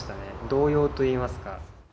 動揺といいますか。